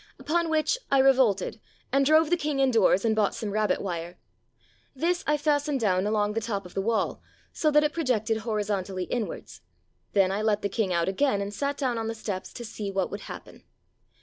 Upon which I revolted and drove the king indoors, and bought some rabbit wire. This I fas tened down along the top of the wall, so that it pro jected horizontally inwards. Then I let the king out again and sat down on the steps to see what would happen.